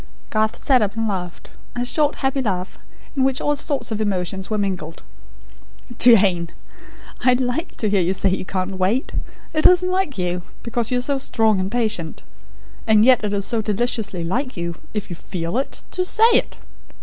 Garth sat up, and laughed a short happy laugh, in which all sorts of emotions were mingled. "Jane! I like to hear you say you can't wait. It isn't like you; because you are so strong and patient. And yet it is so deliciously like you, if you FEEL it, to SAY it.